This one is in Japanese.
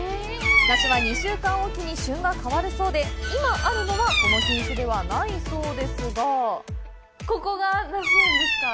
梨は２週間置きに旬が変わるそうで今あるのはこの品種ではないそうですがここが梨園ですか。